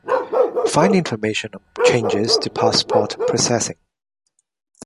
Find information on changes to passport processing.